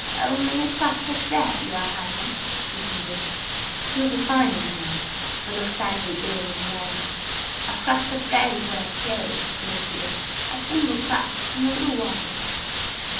"Only a crust of bread, your Highness!" he pleaded. {Image...'Drink this!'} He was a fine old man, but looked sadly ill and worn. "A crust of bread is what I crave!" he repeated. "A single crust, and a little water!"